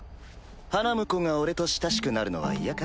花婿が俺と親しくなるのは嫌か？